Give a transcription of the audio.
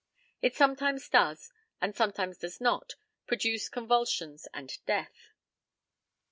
It sometimes does, and sometimes does not, produce convulsions and death.